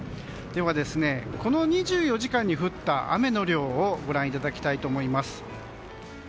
では、この２４時間に降った雨の量をご覧いただきたいと思います。